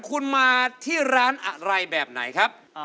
คุณมาที่ร้านอะไรแบบไหนครับ